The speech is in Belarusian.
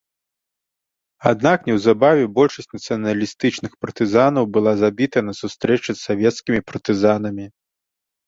Аднак неўзабаве большасць нацыяналістычных партызанаў была забітая на сустрэчы з савецкімі партызанамі.